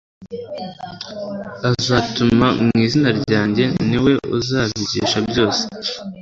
azatuma mu izina ryanjye ni we uzabigisha byose